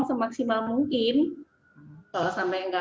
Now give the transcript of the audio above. kalau tidak kita jelaskan ke pasien ini semua rumah sakit pun kita kirim